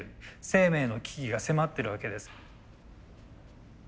生命の危機が迫ってるわけです。